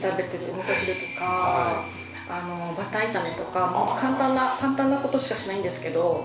みそ汁とかバター炒めとか簡単なことしかしないんですけど。